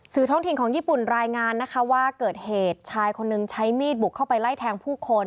ท้องถิ่นของญี่ปุ่นรายงานนะคะว่าเกิดเหตุชายคนนึงใช้มีดบุกเข้าไปไล่แทงผู้คน